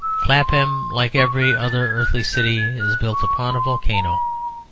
Clapham, like every other earthly city, is built upon a volcano.